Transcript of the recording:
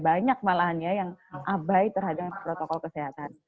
banyak malahnya yang abai terhadap protokol kesehatan